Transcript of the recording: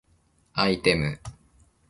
アイテム